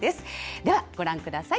では、ご覧ください。